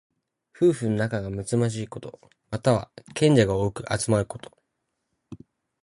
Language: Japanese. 夫婦の仲がむつまじいこと。または、賢者が多く集まること。